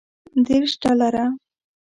دېرش ډالره.